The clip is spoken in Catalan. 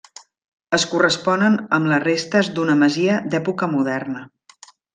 Es corresponen amb les restes d'una masia d'època moderna.